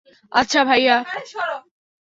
আচ্ছা, ভাইয়া।